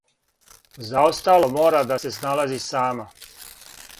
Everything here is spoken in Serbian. За остало мора да се сналази сама.